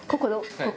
ここ？